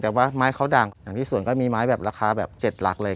แต่ว่าไม้เขาดังอย่างที่สวนก็มีไม้แบบราคาแบบ๗หลักเลย